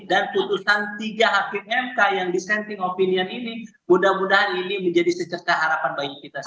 dan keputusan tiga hakim mk yang disenting opinion ini mudah mudahan ini menjadi secerta harapan bagi kita